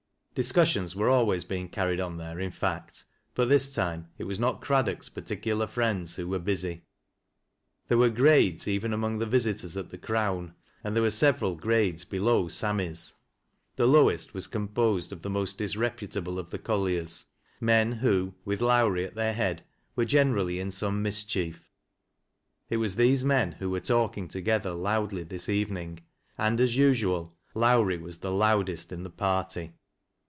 Discussions were always being car ried on there in fact, but this time it was not Craddock's particular friends who were busy. There were grades even among the visitors at The Crown, and there were several grades below Sammy's. The lowest was composed of the most disreputable of the colliers — men who with Lowrie at their head were generally in some mischief. It was these men who were talking together loiidly this evening, and as usual, Lowrie was the loudest in the party.